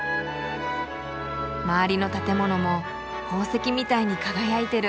周りの建物も宝石みたいに輝いてる。